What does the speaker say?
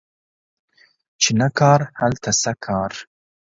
چی نه کار، هلته څه کار